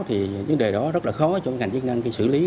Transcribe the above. thì vấn đề đó rất là khó cho ngành chức năng khi xử lý